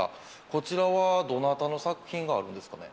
こちらはどなたの作品があるんですかね。